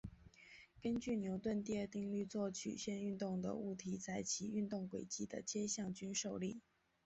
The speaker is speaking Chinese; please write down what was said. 根据牛顿第二定律做曲线运动的物体在其运动轨迹的切向均受力。